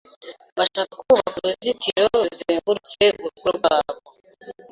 Bashaka kubaka uruzitiro ruzengurutse urugo rwabo.